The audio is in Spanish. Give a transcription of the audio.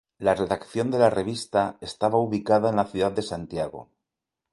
La redacción de la revista estaba ubicada en la ciudad de Santiago.